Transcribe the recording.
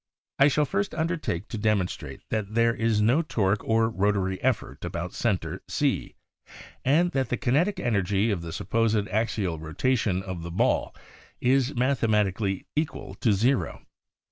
I shall first undertake to demonstrate that there is no torque or rotary effort about center C and that the kinetic energy of the sup posed axial rotation of the ball is mathematically equal to zero.